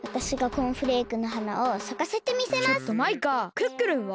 クックルンは？